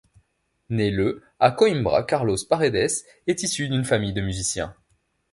Né le à Coimbra, Carlos Paredes est issu d'une famille de musiciens.